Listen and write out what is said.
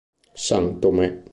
San Tomé